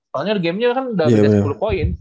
soalnya gamenya kan udah kerja sepuluh poin